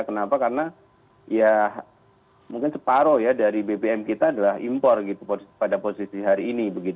kenapa karena ya mungkin separoh ya dari bbm kita adalah impor gitu pada posisi hari ini